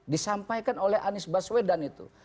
disampaikan oleh anies baswedan itu